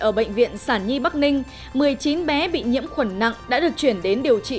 ở bệnh viện sản nhi bắc ninh một mươi chín bé bị nhiễm khuẩn nặng đã được chuyển đến điều trị